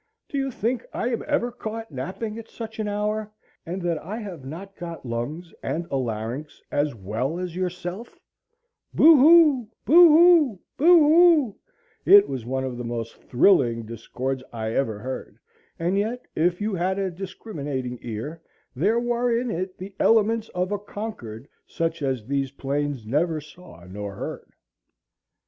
Do you think I am ever caught napping at such an hour, and that I have not got lungs and a larynx as well as yourself? Boo hoo, boo hoo, boo hoo! It was one of the most thrilling discords I ever heard. And yet, if you had a discriminating ear, there were in it the elements of a concord such as these plains never saw nor heard.